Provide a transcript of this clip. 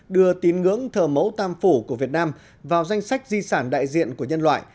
đưa tín ngưỡng thờ mẫu tam phủ của việt nam vào danh sách di sản đại diện của nhân loại